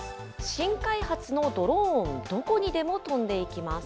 新開発のドローン、どこにでも飛んでいきます。